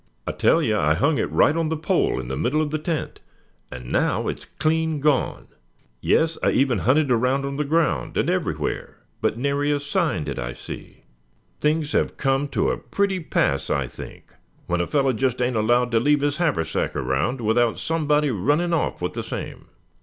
"I tell you I hung it right on the pole in the middle of the tent, and now it's clean gone. Yes, I even hunted around on the ground, and everywhere, but nary a sign did I see. Things have come to a pretty pass, I think, when a fellow just ain't allowed to leave his haversack around without somebody running off with the same.